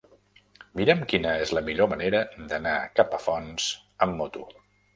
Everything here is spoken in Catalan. Mira'm quina és la millor manera d'anar a Capafonts amb moto.